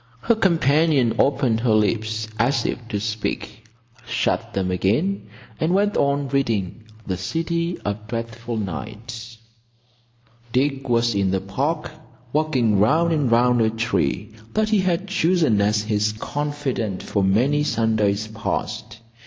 Her companion opened her lips as if to speak, shut them again, and went on reading The City of Dreadful Night. Dick was in the Park, walking round and round a tree that he had chosen as his confidante for many Sundays past.